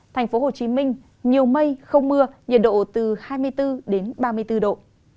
thành phố hồ chí minh nhiều mây không mưa nhiệt độ từ hai mươi bốn đến ba mươi bốn độ